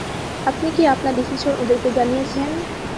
আপনি কি আপনার ডিসিশন ওদেরকে জানিয়েছেন?